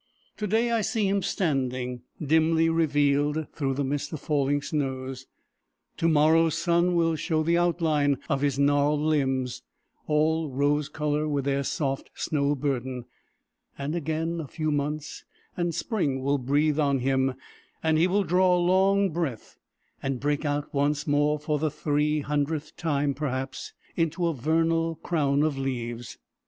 To day I see him standing, dimly revealed through the mist of falling snows; to morrow's sun will show the outline of his gnarled limbs all rose color with their soft snow burden; and again a few months, and spring will breathe on him, and he will draw a long breath, and break out once more, for the three hundredth time, perhaps, into a vernal crown of leaves.